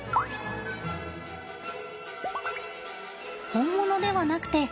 本物ではなくて。